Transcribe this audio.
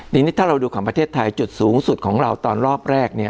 ทีนี้ถ้าเราดูของประเทศไทยจุดสูงสุดของเราตอนรอบแรกเนี่ย